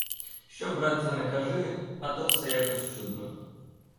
Що, братця, не кажи, а то все якось чудно.